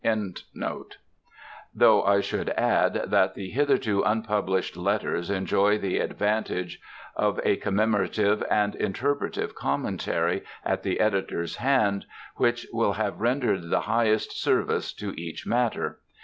] though I should add that the hitherto unpublished letters enjoy the advantage of a commemorative and interpretative commentary, at the Editor's hands, which will have rendered the highest service to each matter.